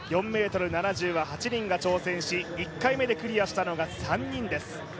４ｍ７０は８人が挑戦し１回目でクリアしたのが３人です。